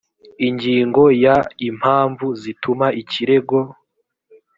ingingo ya impamvu zituma ikirego